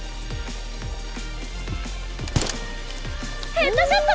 「」「」「」ヘッドショット！